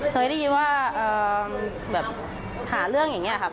เคยได้ยินว่าแบบหาเรื่องอย่างนี้ครับ